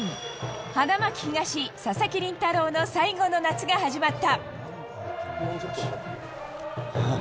花巻東、佐々木麟太郎の最後の夏が始まった。